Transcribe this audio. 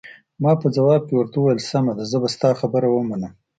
ما په ځواب کې ورته وویل: سمه ده، زه به ستا خبره ومنم.